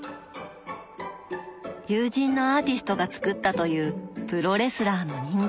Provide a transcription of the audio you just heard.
友人のアーティストが作ったというプロレスラーの人形。